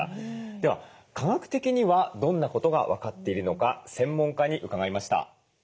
では科学的にはどんなことが分かっているのか専門家に伺いました。